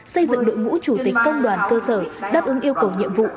xây dựng đội ngũ chủ tịch công đoàn cơ sở đáp ứng yêu cầu nhiệm vụ